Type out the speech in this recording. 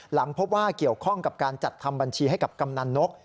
หลังพบว่าเกี่ยวข้องกับการจัดทำบัญชีให้กับกำนันนก